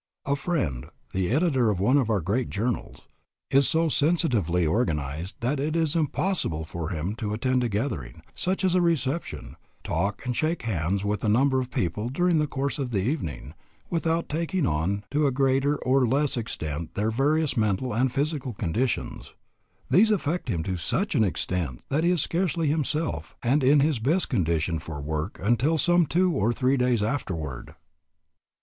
A friend, the editor of one of our great journals, is so sensitively organized that it is impossible for him to attend a gathering, such as a reception, talk and shake hands with a number of people during the course of the evening, without taking on to a greater or less extent their various mental and physical conditions. These affect him to such an extent that he is scarcely himself and in his best condition for work until some two or three days afterward.